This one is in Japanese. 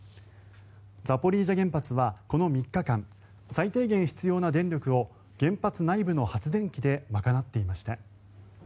ザポリージャ原発はこの３日間最低限必要な電力を原発内部の発電機で賄っていました。